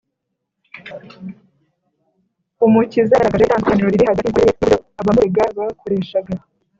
umukiza yagaragaje itandukaniro riri hagati y’imikorere ye n’uburyo abamuregaga bakoreshaga